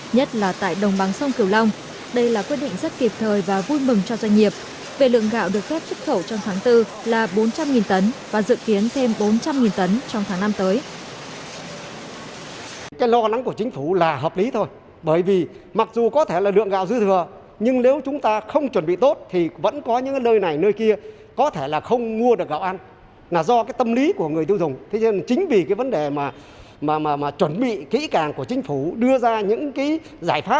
nhất là tại đồng bằng sông cửu long đây là quyết định rất kịp thời và vui mừng cho doanh nghiệp